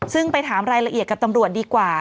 ซึ่งไปถามรายละเอียดกับตำรวจดีกว่า